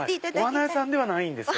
お花屋さんではないんですね？